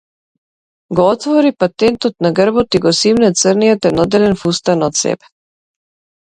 Го отвори патентот на грбот и го симна црниот едноделен фустан од себе.